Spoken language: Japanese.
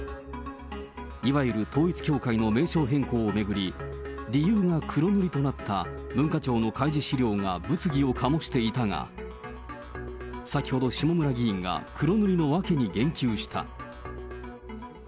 いわゆる統一教会の名称変更を巡り、理由が黒塗りとなった文化庁の開示資料が物議を醸していたが、先ほど、下村議員が黒塗りの訳に言及した。